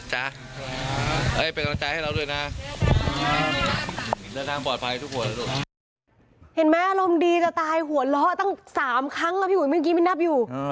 เห็นมั้ยรมดีจะตายหัวเราะตั้ง๓ครั้งแล้วพี่หุ่นเมื่อกี้มินับอยู่